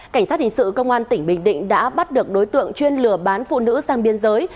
cảnh sát hình sự công an tỉnh bình định đã bắt được đối tượng chuyên lừa bán phụ nữ sang biên giới